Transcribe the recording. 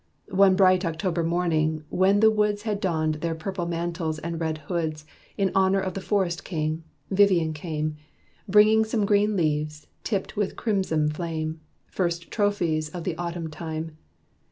One bright October morning, when the woods Had donned their purple mantles and red hoods In honor of the Frost King, Vivian came, Bringing some green leaves, tipped with crimson flame, First trophies of the Autumn time.